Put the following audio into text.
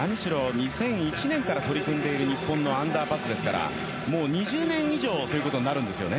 ２００１年から取り組んでいる日本のアンダーパスですから２０年以上ということになるんですよね。